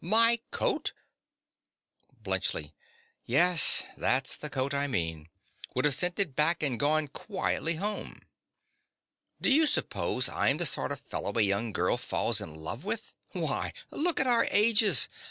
My coat! BLUNTSCHLI.—Yes: that's the coat I mean—would have sent it back and gone quietly home. Do you suppose I am the sort of fellow a young girl falls in love with? Why, look at our ages!